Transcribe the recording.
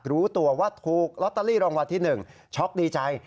คือ๓๕ใบค่ะที่ซื้อครับทำงานกี่ปีแล้ว